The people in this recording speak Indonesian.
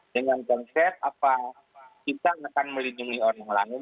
dengan konsep apa kita akan melindungi orang lain